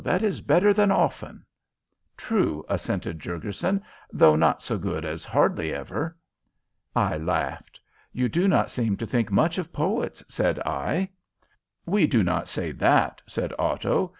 "That is better than often." "True," assented Jurgurson, "though not so good as hardly ever." I laughed. "You do not seem to think much of poets," said I. "We do not say that," said Otto.